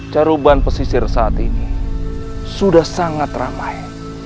caruban pesisir saat ini sudah sangat ramai